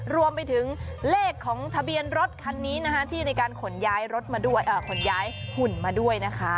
รวมไปถึงเลขของทะเบียนรถคันนี้ที่ในการขนย้ายหุ่นมาด้วยนะคะ